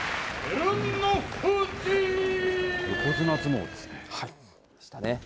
横綱相撲でしたね。